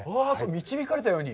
導かれたように。